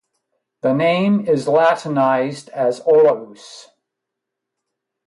The name is Latinized as "Olaus".